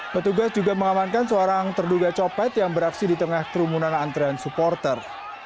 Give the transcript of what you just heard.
petugas juga mengamankan seorang terduga copet yang beraksi di tengah kerumunan antrean supporter